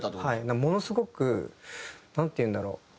ものすごくなんていうんだろう